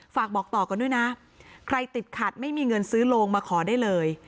ฝากบอกต่อกันด้วยนะใครติดขัดไม่มีเงินซื้อโลงมาขอได้เลย